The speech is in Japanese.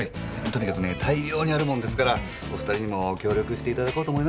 とにかくね大量にあるもんですからお２人にも協力していただこうと思いましてね。